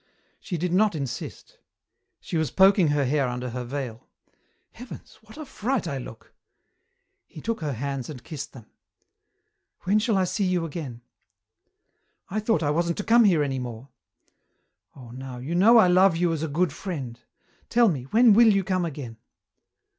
She did not insist. She was poking her hair under her veil. "Heavens! what a fright I look!" He took her hands and kissed them. "When shall I see you again?" "I thought I wasn't to come here any more." "Oh, now, you know I love you as a good friend. Tell me, when will you come again?"